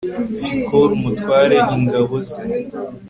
Fikoli umutware ingabo ze